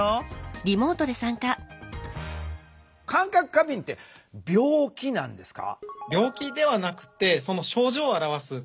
過敏って病気なんですか？